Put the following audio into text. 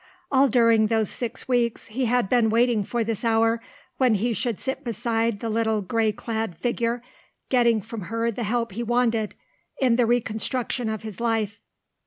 All during those six weeks he had been waiting for this hour when he should sit beside the little grey clad figure, getting from her the help he wanted in the reconstruction of his life.